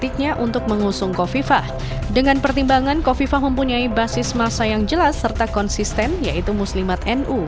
dengan pertimbangan kofifah mempunyai basis masa yang jelas serta konsisten yaitu muslimat nu